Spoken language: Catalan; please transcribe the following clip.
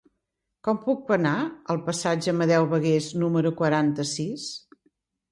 Com puc anar al passatge d'Amadeu Bagués número quaranta-sis?